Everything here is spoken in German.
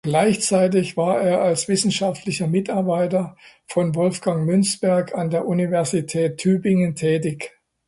Gleichzeitig war er als wissenschaftlicher Mitarbeiter von Wolfgang Münzberg an der Universität Tübingen tätig.